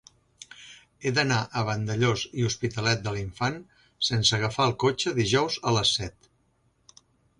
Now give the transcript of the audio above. He d'anar a Vandellòs i l'Hospitalet de l'Infant sense agafar el cotxe dijous a les set.